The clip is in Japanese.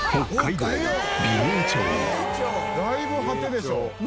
だいぶ果てでしょ。